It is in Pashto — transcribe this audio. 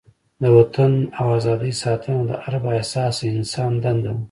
د وطن او ازادۍ ساتنه د هر با احساسه انسان دنده ده.